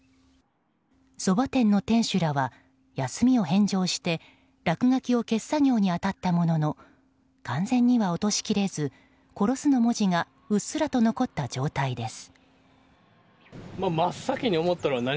そば店の店主らは休みを返上して落書きを消す作業に当たったものの完全には落としきれず「殺す」の文字がうっすらと残った状態です。